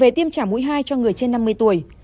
về tiêm trả mũi hai cho người trên năm mươi tuổi